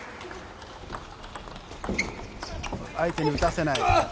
相手に打たせない。